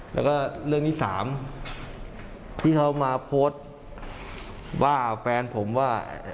แล้วก็เรื่องที่สามที่เขามาโพสต์ว่าแฟนผมว่า